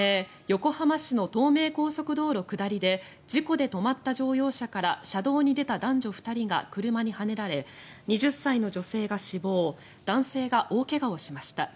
横浜市の東名高速下りで事故で止まった乗用車から車道に出た男女２人が車にはねられ２０歳の女性が死亡男性が大怪我をしました。